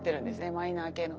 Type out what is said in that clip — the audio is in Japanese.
マイナー系の。